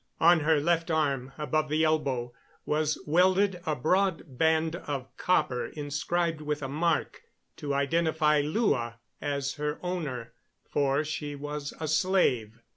On her left arm above the elbow was welded a broad band of copper inscribed with a mark to identify Lua as her owner, for she was a slave.